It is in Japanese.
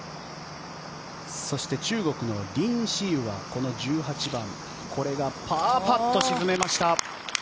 そして、中国のリン・シユはこの１８番、これがパーパット沈めました。